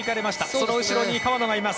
その後ろに川野がいます。